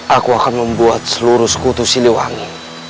aku akan membuat seluruh sekutu siliwangi